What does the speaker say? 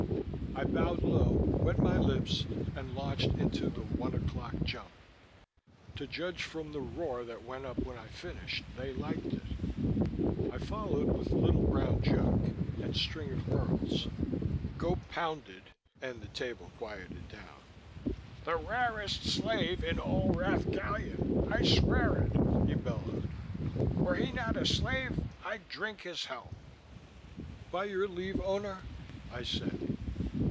I bowed low, wet my lips, and launched into the One O' Clock Jump. To judge from the roar that went up when I finished, they liked it. I followed with Little Brown Jug and String of Pearls. Gope pounded and the table quieted down. "The rarest slave in all Rath Gallion, I swear it," he bellowed. "Were he not a slave, I'd drink his health." "By your leave, Owner?" I said.